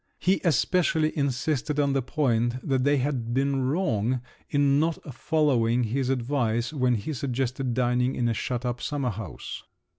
He especially insisted on the point that they had been wrong in not following his advice when he suggested dining in a shut up summer house.